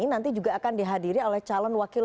nanti juga akan dihadiri oleh calon wakil